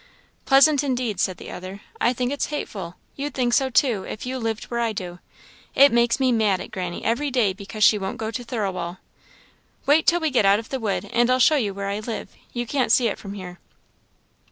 "Pleasant, indeed!" said the other; "I think it's hateful. You'd think so, too, if you lived where I do. It makes me mad at granny every day because she won't go to Thirlwall. Wait till we get out of the wood, and I'll show you where I live. You can't see it from here."